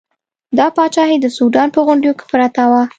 دا پاچاهي د سوډان په غونډیو کې پرته وه.